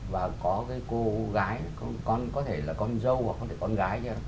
và có cái cô gái có thể là con dâu có thể là con gái